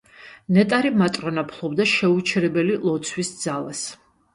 ნეტარი მატრონა ფლობდა შეუჩერებელი ლოცვის ძალას.